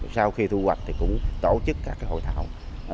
sau khi thu hoạch thì cũng tổ chức các hội thảo